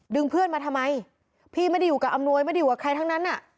เพื่อนมาทำไมพี่ไม่ได้อยู่กับอำนวยไม่ได้อยู่กับใครทั้งนั้น